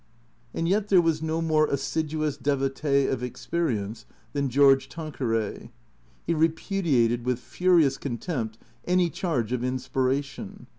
And yet there was no more assiduous devotee of experience than George Tanqueray. He repudiated with furious contempt any charge of inspiration.